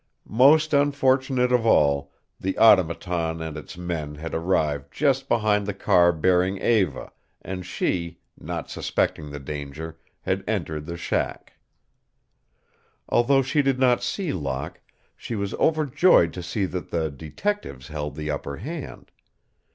Most unfortunate of all, the Automaton and its men had arrived just behind the car bearing Eva, and she, not suspecting the danger, had entered the shack. Although she did not see Locke, she was overjoyed to see that the detectives held the upper hand.